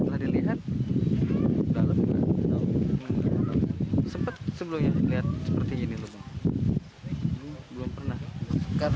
hari jumat sore setelah sholat jumat kemungkinan ada luang waktu